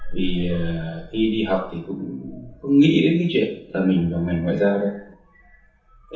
vì khi đi học thì cũng nghĩ đến cái chuyện là mình vào ngành ngoại giao đấy